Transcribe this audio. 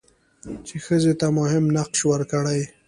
چې ښځې ته مهم نقش ورکړي؛